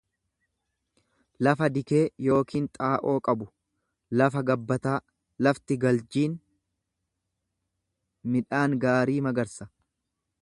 lafa dikee yookiin xaa'oo qabu, lafa gabbataa; Lafti galjiin midhaan gaarii magarsa.